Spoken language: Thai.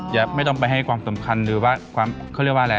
อย่าไม่ต้องไปให้ความสำคัญหรือว่าคือเรียกว่าอะไร